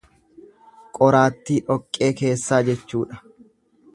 Qoraattii dhoqqee keessaa jechuudha.